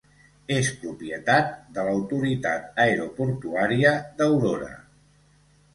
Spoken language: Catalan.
És propietat de l'Autoritat Aeroportuària d'Aurora.